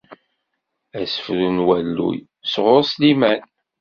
Asefru n walluy, sɣur Sliman.